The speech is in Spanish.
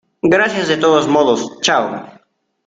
gracias de todos modos. chao .